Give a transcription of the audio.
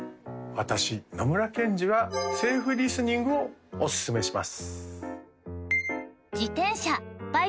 私野村ケンジはセーフリスニングをおすすめします